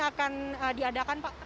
akan diadakan pak